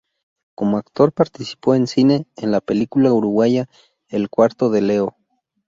Como actor participó en cine en la película uruguaya "El cuarto de Leo".